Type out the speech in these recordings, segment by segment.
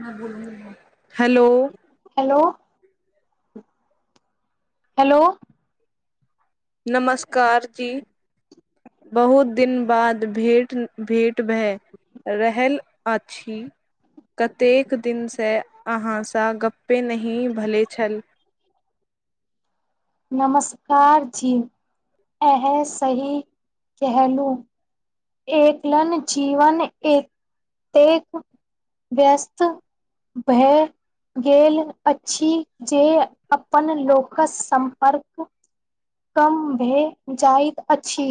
न भोल [unintelligible] hello! Hello hello! नमस्कार जी! बहुत दिन बाद भेट। भेट भए रहल अछि, कतेक दिन से अहाँसा गप्पे नही भले छल। नमस्कार जी! एह सही कलहुँ। एकलन जीवन एतेक व्यस्त भए गेल अछि, जे अपन लोकक सम्पर्क कम भए जाइत अछि।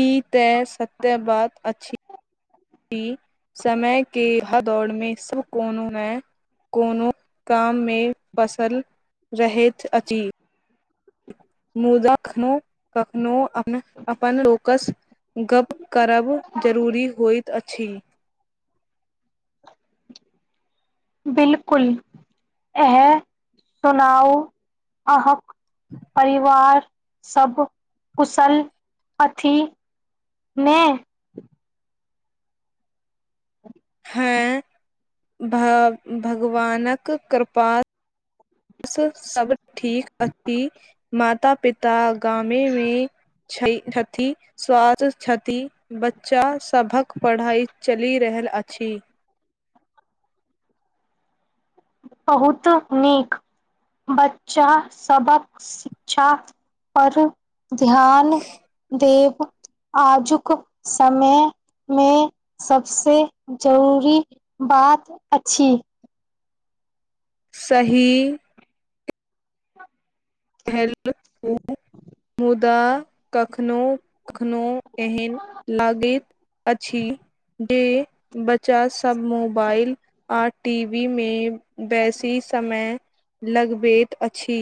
ई तऽ सत्य बात अछि। इ समय के भगा दौड़मे, सब कोनो नहि कोनो काममे फसल रहैत अछि। मुदा कखनो -कखनो अपन लोकसँ गप करब जरूरी होइत अछि। 'बिलकुल' ए सुनाओ आहक परिवार सब कुशल अथी ने? हैं भा भगवानक कृपात् से सभ ठीक अती, माता-पिता गामेमे छछै छथी, स्वाद छथि बच्चा सभक पढ़ाई चलिये रहल अछी। बहुत नीक बच्चा सबक शिक्षा पर ध्यान देव। आजुक समयमे सभसँ जरूरी बात अछि। सही भेल मुदा कखनो कखनो एहन लागैत अछी, जे बच्चासब मोबाइल आ टीवी मे बेसी समय लगबैत अछी।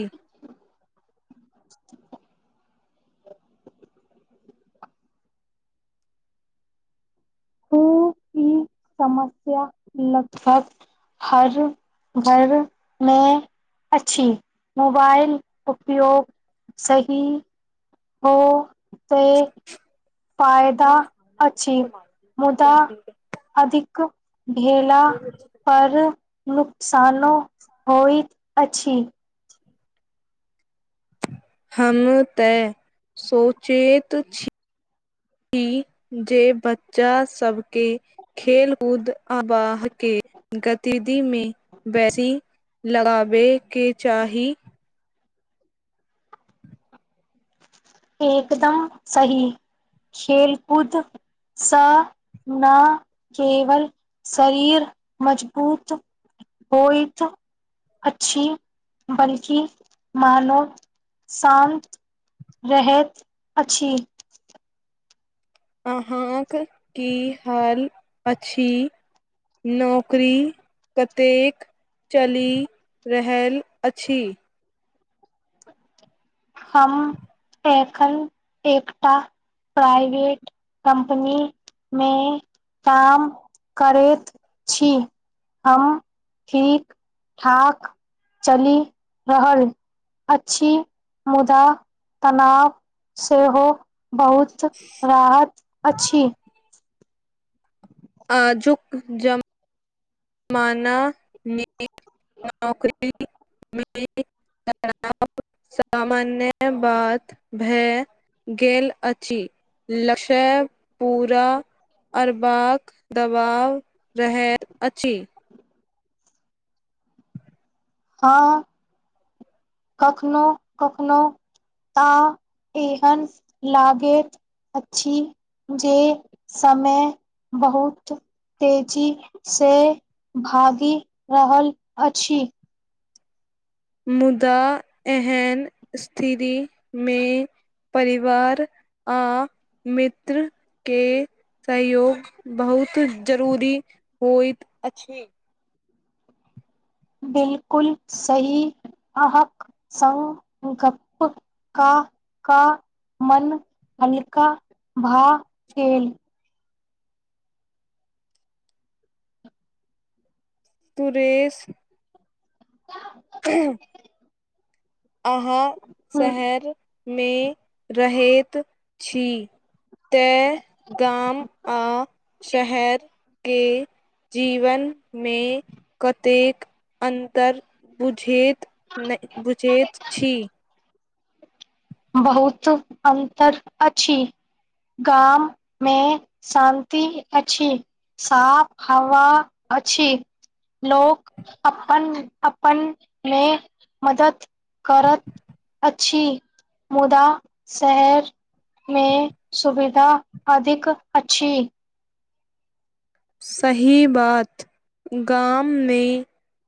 [unintelligible] खू ई समस्या लगभग हर घर मे अच्छि। मोबाइल उपयोग सही ओह त फायदा अछि। मुदा अधिक भेला पर नुक्स सानो होयत अछि हम तऽ सोचैत छी जे बच्चा सबके खेल कूद आ हवाके गतिविधिमे बेसी लगाबैके चाही। एकदम सही खेल कूदसँ न केवल शरीर मजबूत होयत अछि बल्कि मानव शान्त रहैत अछि। अहाँक की हाल अछि? नौकरी कतेक चलि रहल अछि? हम एखन एकटा प्राइवेट कम्पनी मे काम करैत छी। हम ठीक ठाक चलि रहल अछि। मुदा तनाव सेहो। बहुत रहत अछि। ह आजुक जम जमानामे नौकरीमे खराब सामान्य बात भए गेल अछि लक्ष्य पूरा करबाक दबाव रहैत अछि। हँ कखनो कखनो आ एहन लागैत अछि जे समय बहुत तेजी से भागि रहल अछि। मुदा एहन स्थितिमे परिवार आ मित्रके सहयोग बहुत जरूरी होइत अछि। बिलकुल सही अहाँक सङ्ग गप का का मन हल्का भऽ गेल। तुरेेश त ह अहाँ शहर मे रहैत छी? तैँ गाम आ शहरके जीवन मे कतेक अन्तर बुझेैत नहि बुझेर। अछि। बहुत अन्तर अछि। गाम मे शान्ति अछि। साफ हवा अछि। लोक अपन अपन मे मदद करैत अछि। मुदा शहरमे सुविधा अधिक अछि। सही बात गाम मे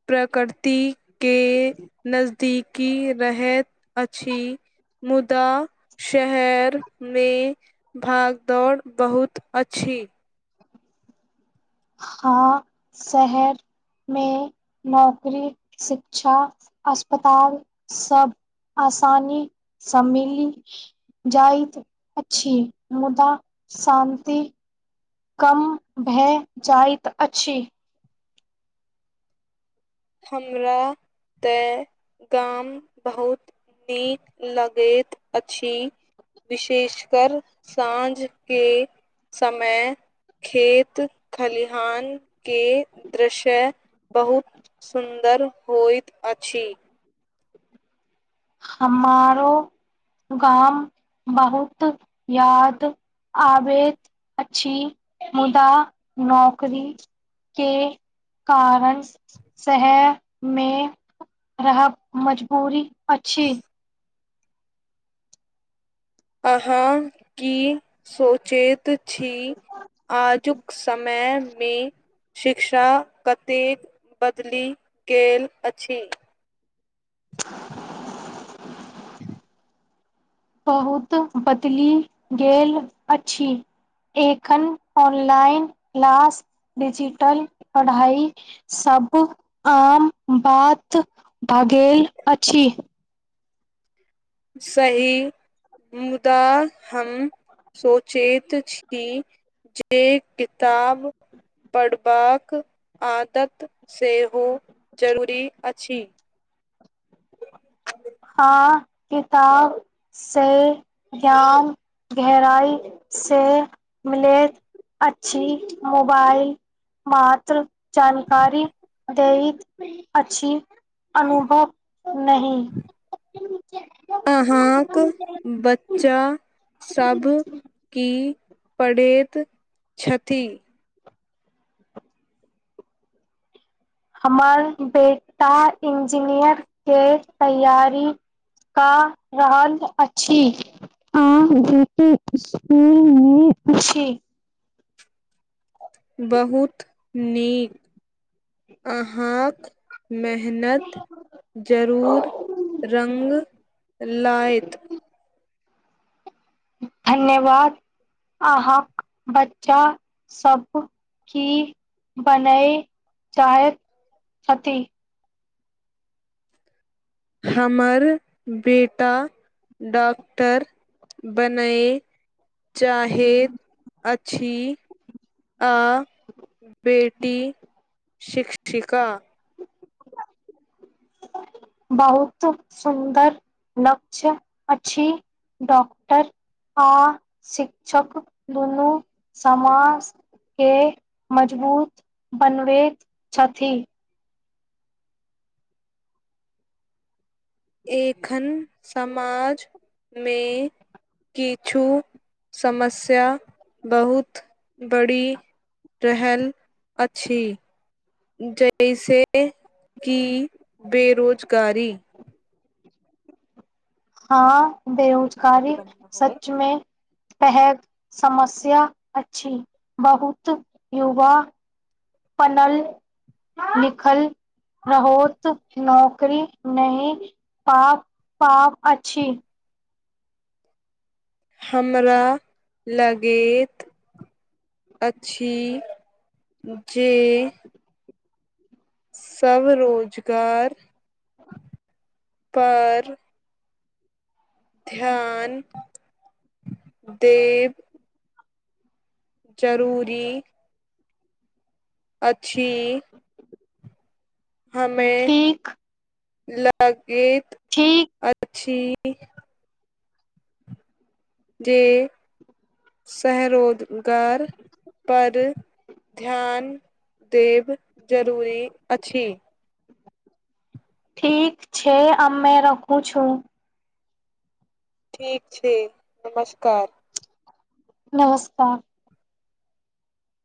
प्रकृति के नज ीकी रहैत अछि मुदा शहरमे भागदौड़ बहुत अछि। हँ शहरमे नौकरी शिक्षा अस्पताल सब आसानीसँ मिलि जाइत अछि। मुदा शान्ति कम भए जाइत अछि। हमरा तऽ गाम बहुत नीक लगैत अछि। विशेषकर साँझके समय खेत खलिहान के दृश्य बहुत सुन्दर होइत अछि। हमारो गाम बहुत याद आबद अच्छी मुदा नौकरी के कारण शहर मे रह मजबूरी अक्षी अहाँ की सोचैत छी आजुक समयमे शिक्षा कतेक बदलि गेल अछि। [unintelligible] बहुत बदलि गेल अछि एखन ऑनलाइन क्लास डिजिटल पढ़ाई सभ आम बात भ गेल अछि। सही मुदा हम सोचैत छी जे किताब पढ़बाक आदत सेहोहु चरूरी अछि हँ किताब से ज्ञान गहराई से मिलैत अछि मोबाइल मात्र जानकारी दैत अछि अनुभव नहि अहाँक बच्चा सब की पढ़ैत छथि। हमर बेटा इंजीनियर के तैयारी कऽ रहल अछि छी बहुत नीक अहाँक मेहनत जरूर रङ्ग लत। धन्यवाद अहाँक बच्चा सब की बनय चाहैत छथि। हमर बेटा डॉक्टर बनय चाहैत अछि आ बेटी शिक्षिका बहुत सुन्दर लक्ष्य अछि डॉक्टर आ शिक्षक दुनू समाज के मजबूत बनबैत छथि। एखन समाजमे किछु समस्या बहुत बढ़ि रहल अछि जहिस कि बेरोजगारी हँ बेरोजगारी सचमे प समस्या अछि बहुत युवा पनल लिखल रहत नौकरी नहि पा पाब अछि हमरा लगैत अछि जे स्व रोजगार [unintelligible] पर ध्यान देब जरूरी अछि हमे ठीक लाख एक ठीक छी जे सरोजगारपर ध्यान देब जरूरी अछि। ठीक छै अमे रखू छु। ठीक छै नमस्कार नमस्कार